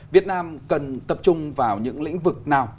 việt nam cần tập trung vào những lĩnh vực nào